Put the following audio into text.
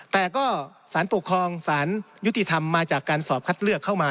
แต่ก็สารปกครองสารยุติธรรมมาจากการสอบคัดเลือกเข้ามา